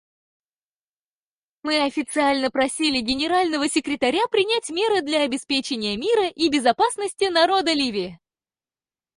Мы официально просили Генерального секретаря принять меры для обеспечения мира и безопасности народа Ливии.